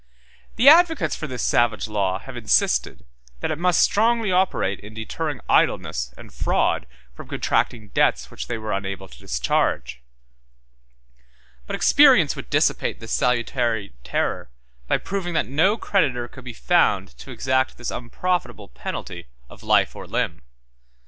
The advocates for this savage law have insisted, that it must strongly operate in deterring idleness and fraud from contracting debts which they were unable to discharge; but experience would dissipate this salutary terror, by proving that no creditor could be found to exact this unprofitable penalty of life or limb.